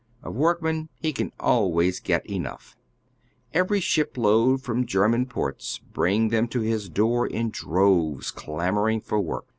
Of workmen lie can always get enougli. Every ship load from German ports brings tlietn to liis door in di'oves, clamoring for work.